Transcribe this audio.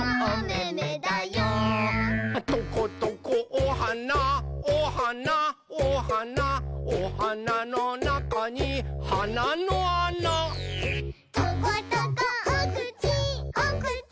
「トコトコおはなおはなおはなおはなのなかにはなのあな」「トコトコおくちおくち